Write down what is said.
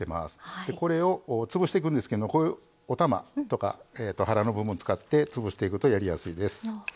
これを潰していくんですけどこういうお玉とか腹の部分使って潰していくとやりやすいです。